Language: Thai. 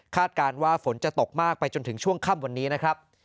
การว่าฝนจะตกมากไปจนถึงช่วงค่ำวันนี้นะครับ